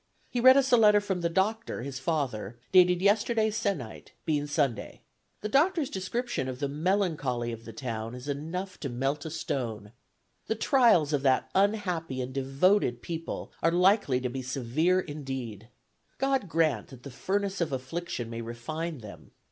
He read us a letter from the Dr., his father, dated yesterday sennight, being Sunday. The Dr.'s description of the melancholy of the town is enough to melt a stone. The trials of that unhappy and devoted people are likely to be severe indeed. God grant that the furnace of affliction may refine them.